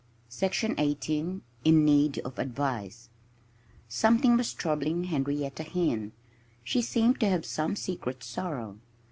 XVIII IN NEED OF ADVICE Something was troubling Henrietta Hen. She seemed to have some secret sorrow.